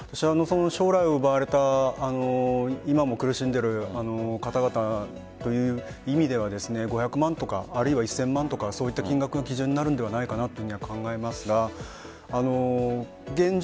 将来を奪われた今も苦しんでいる方々という意味では５００万円とか１０００万円とかそういった金額が基準になるんではないかなと思いますが現状